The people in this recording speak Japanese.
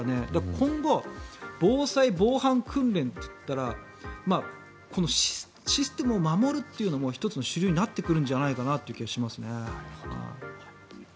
今後、防災・防犯訓練といったらシステムを守るというのも１つの主流になってくる気がしますね。